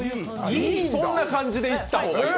そんな感じでいった方がいい。